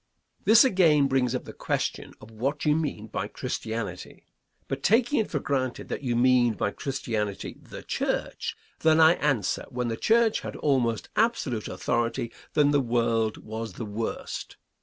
Answer. This, again, brings up the question of what you mean by Christianity, but taking it for granted that you mean by Christianity the church, then I answer, when the church had almost absolute authority, then the world was the worst.